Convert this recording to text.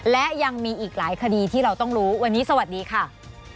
และยังมีอีกหลายคดีที่เราต้องรู้วันนี้สวัสดีค่ะ